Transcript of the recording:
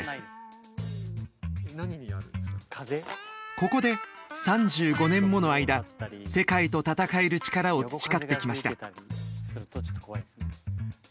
ここで３５年もの間世界と戦える力を培ってきました。